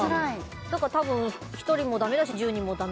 だから多分１人もダメだし１０人もダメ。